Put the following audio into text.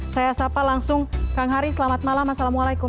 saya sapa langsung kang hari selamat malam assalamualaikum